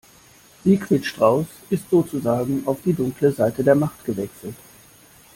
Sigrid Strauß ist sozusagen auf die dunkle Seite der Macht gewechselt.